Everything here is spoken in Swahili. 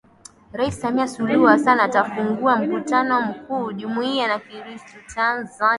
Rais Samia Suluhu Hassan atafungua Mkutano Mkuu wa Jumuiya ya Kikristu Tanzania